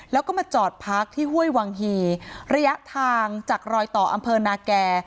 แล้วก็มาจอดพักที่ห้วยวังฮีระยะทางจากรอยต่ออำเภอนาแก่